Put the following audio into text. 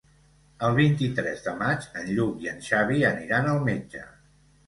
El vint-i-tres de maig en Lluc i en Xavi aniran al metge.